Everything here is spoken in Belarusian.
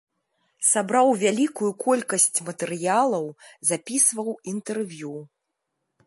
Сабраў вялікую колькасць матэрыялаў, запісваў інтэрв'ю.